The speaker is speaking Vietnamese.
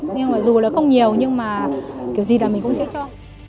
nhưng mà dù là không nhiều nhưng mà kiểu gì là mình cũng sẽ cho